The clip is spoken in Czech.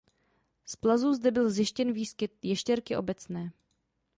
Z plazů zde byl zjištěn výskyt ještěrky obecné.